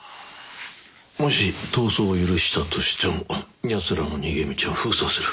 もし逃走を許したとしても奴らの逃げ道を封鎖する。